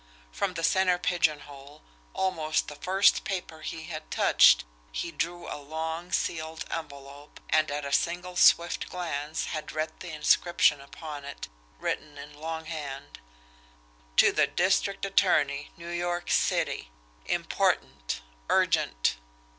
From the centre pigeonhole, almost the first paper he had touched, he drew a long, sealed envelope and at a single swift glance had read the inscription upon it, written in longhand: TO THE DISTRICT ATTORNEY, NEW YORK CITY. IMPORTANT. URGENT.